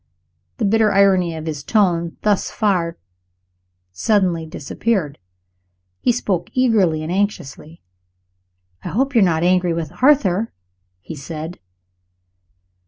The bitter irony of his tone, thus far, suddenly disappeared. He spoke eagerly and anxiously. "I hope you are not angry with Arthur?" he said.